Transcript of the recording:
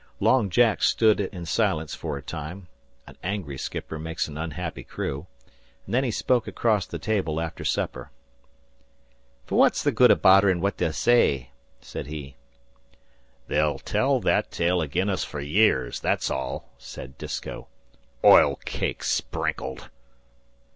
Long Jack stood it in silence for a time, an angry skipper makes an unhappy crew, and then he spoke across the table after supper: "Fwhat's the good o' bodderin' fwhat they'll say?" said he. "They'll tell that tale agin us fer years that's all," said Disko. "Oil cake sprinkled!"